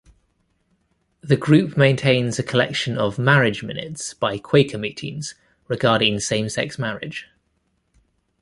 The group maintains a collection of Marriage Minutes by Quaker Meetings regarding Same-Sex Marriage.